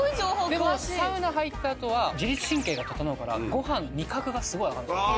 でもサウナ入ったあとは自律神経がととのうからご飯味覚がすごい上がるんです。